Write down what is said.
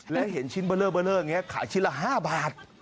และเห็นชิ้นเบลอขายชิ้นละ๕บาท